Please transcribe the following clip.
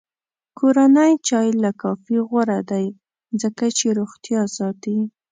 کورنی چای له کافي غوره دی، ځکه چې روغتیا ساتي.